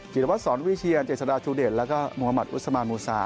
รวัตสอนวิเชียนเจษฎาชูเดชแล้วก็มุมัติอุสมานมูซา